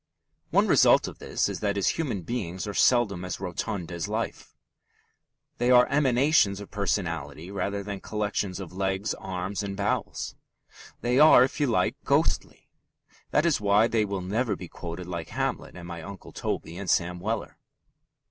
One result of this is that his human beings are seldom as rotund as life. They are emanations of personality rather than collections of legs, arms, and bowels. They are, if you like, ghostly. That is why they will never be quoted like Hamlet and my Uncle Toby and Sam Weller.